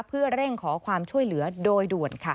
เพื่อเร่งขอความช่วยเหลือโดยด่วน